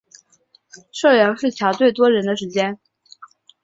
社游是乔最多人的时间